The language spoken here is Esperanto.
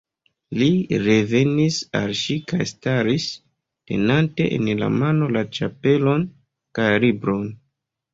Li revenis al ŝi kaj staris, tenante en la mano la ĉapelon kaj libron.